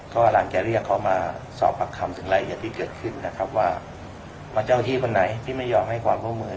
ก็กำลังจะเรียกเขามาสอบปากคำถึงรายละเอียดที่เกิดขึ้นนะครับว่าเจ้าที่คนไหนที่ไม่ยอมให้ความร่วมมือ